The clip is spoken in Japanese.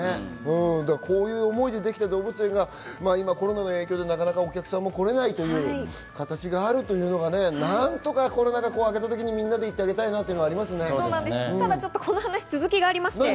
こういう思いでできた動物園がコロナのお客さんでなかなかお客さんも来られないという形が何とかコロナがあけた時にみんなで行ってあげたいなという気持ちがありますよね。